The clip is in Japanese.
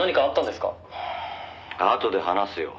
「あとで話すよ。